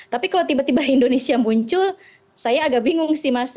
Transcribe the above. tapi kalau tiba tiba indonesia muncul saya agak bingung sih mas